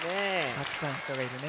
たくさんひとがいるね。